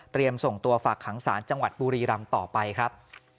ส่งตัวฝากขังศาลจังหวัดบุรีรำต่อไปครับ